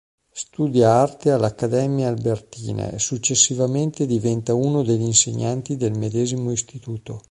Studia arte all'Accademia Albertina e successivamente diventa uno degli insegnanti del medesimo istituto.